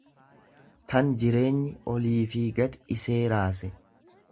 .tan Jireenyi oliifi gadi isee raase.